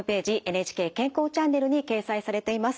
「ＮＨＫ健康チャンネル」に掲載されています。